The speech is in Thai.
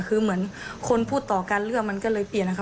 คือเหมือนคนพูดต่อกันเรื่องมันก็เลยเปลี่ยนนะคะ